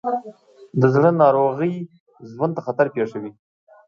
د زړه ناروغۍ ژوند ته خطر پېښوي.